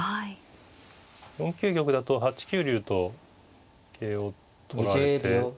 ４九玉だと８九竜と桂を取られて。